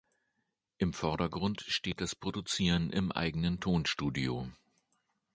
Im Vordergrund steht das Produzieren im eigenen Tonstudio.